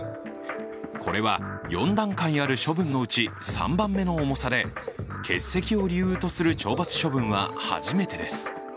これは４段階ある処分のうち３番目の重さで欠席を理由とする懲罰処分は初めてです。